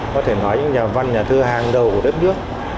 có thể nói những nhà văn nhà thơ hàng đầu của đất nước